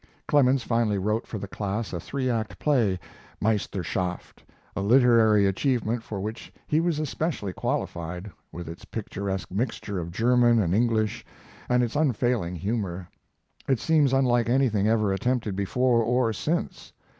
Clemens finally wrote for the class a three act play "Meisterschaft" a literary achievement for which he was especially qualified, with its picturesque mixture of German and English and its unfailing humor. It seems unlike anything ever attempted before or since.